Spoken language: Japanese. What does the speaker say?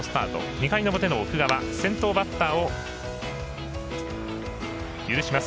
２回の表の奥川先頭バッターを許します。